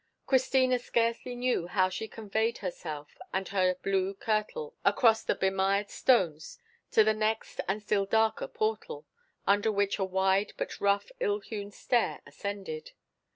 Christina scarcely knew how she conveyed herself and her blue kirtle across the bemired stones to the next and still darker portal, under which a wide but rough ill hewn stair ascended.